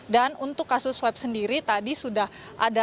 dan untuk kasus swab sendiri tadi sudah ada